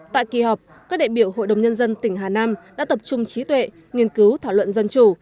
tại kỳ họp các đại biểu hội đồng nhân dân tỉnh hà nam đã tập trung trí tuệ nghiên cứu thảo luận dân chủ